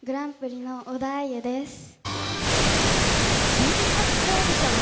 新人発掘オーディション